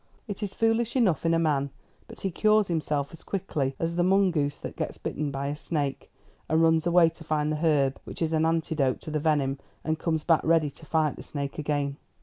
It is foolish enough in a man; but he cures himself as quickly as the mungoose that gets bitten by a snake, and runs away to find the herb which is an antidote to the venom, and comes back ready to fight the snake again."